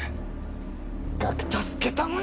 せっかく助けたのに！